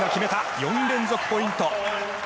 ４連続ポイント。